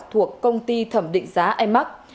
thuộc công ty thẩm định giá amac